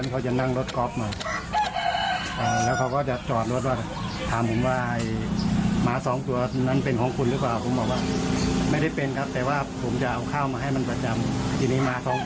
เอาเมล็ดพิษฐาน๒คุยกับชายคนนี้